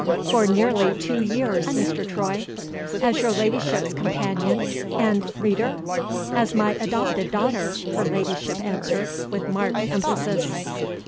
"For nearly two years, Mr. Troy." "As your Ladyship's companion and reader?" "As my adopted daughter," her Ladyship answered, with marked emphasis.